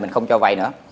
mình không cho vai nữa